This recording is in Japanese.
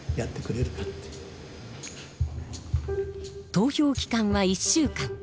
投票期間は１週間。